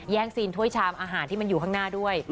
ซีนถ้วยชามอาหารที่มันอยู่ข้างหน้าด้วย